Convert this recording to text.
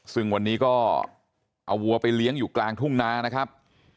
ซึ่งวันนี้ก็เอาวัวไปเลี้ยงอยู่กลางทุ่งนานะครับ